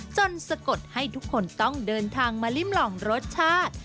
สะกดให้ทุกคนต้องเดินทางมาริมลองรสชาติ